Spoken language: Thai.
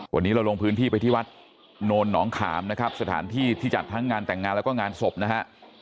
วันนี้เราลงพื้นที่ไปที่วัดโนนหนองขามนะครับสถานที่ที่จัดทั้งงานแต่งงานแล้วก็งานศพนะฮะ